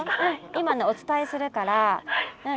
今ねお伝えするから。